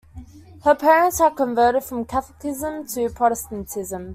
Her parents had converted from Catholicism to Protestanism.